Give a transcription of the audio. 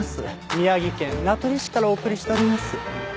宮城県名取市からお送りしております。